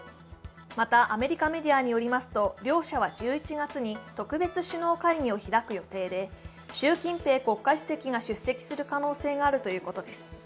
またアメリカメディアによると、両者は１１月に特別首脳会議を開く予定で、習近平国家主席が出席する可能性があるということです。